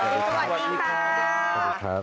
สวัสดีค่ะ